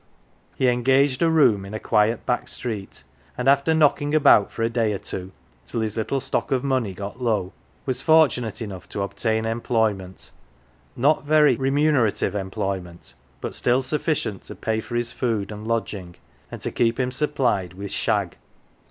He engaged a room in a quiet back street, and after knocking about for a day or two, till his little stock of money got low, was fortunate enough to obtain employment not very remunerative employment, but still sufficient to pay for his food and lodging and to keep him supplied with "shag."